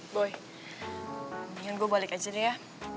boy ingin gue balik aja deh ya